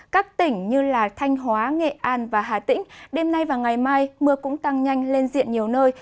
các tỉnh như thanh hóa nghệ an và hà tĩnh đêm nay và ngày mai mưa cũng tăng nhanh lên diện nhiều nơi